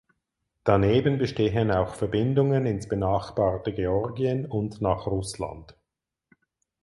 Daneben bestehen auch Verbindungen ins benachbarte Georgien und nach Russland.